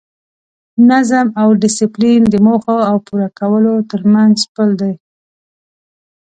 نظم او ډیسپلین د موخو او پوره کولو ترمنځ پل دی.